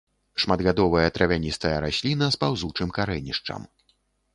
Шматгадовая травяністая расліна з паўзучым карэнішчам.